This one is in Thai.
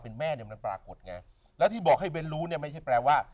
เป็นแม่เนี่ยมันปรากฏไงแล้วที่บอกให้เบ้นรู้เนี่ยไม่ใช่แปลว่า